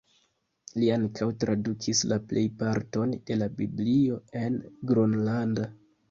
Li ankaŭ tradukis la plejparton de la Biblio en gronlanda.